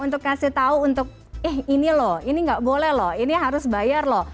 untuk kasih tahu untuk eh ini loh ini nggak boleh loh ini harus bayar loh